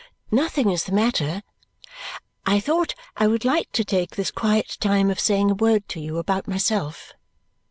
"Nothing is the matter. I thought I would like to take this quiet time of saying a word to you about myself."